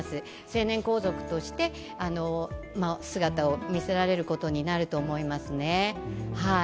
成年皇族として姿を見せられることになると思いますね。